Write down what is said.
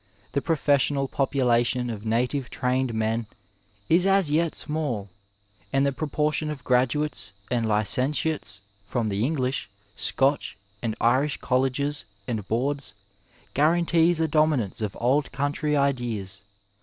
The profeeaional population of native trained men is as yet small, and the proportion of graduates and licentiates from the English, Scotch and Irish colleges and boards guarantees a domi* nance of Old Country ideas.